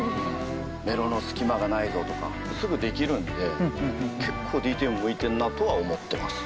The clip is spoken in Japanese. メロの隙間がないぞとかすぐできるんで結構ＤＴＭ向いてんなとは思ってます。